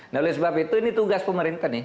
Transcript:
nah oleh sebab itu ini tugas pemerintah nih